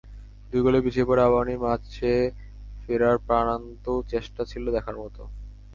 দুই গোলে পিছিয়ে পড়ে আবাহনীর ম্যাচে ফেরার প্রাণান্ত চেষ্টা ছিল দেখার মতো।